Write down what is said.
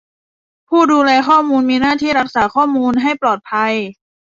ผู้ดูแลข้อมูลมีหน้าที่รักษาข้อมูลให้ปลอดภัย